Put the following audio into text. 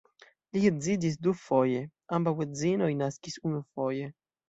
Li edziĝis dufoje, ambaŭ edzinoj naskis unufoje.